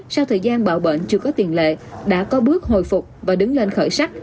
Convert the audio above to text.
sau thời gian bạo bệnh chưa có tiền lệ đã có bước hồi phục và đứng lên khởi sắc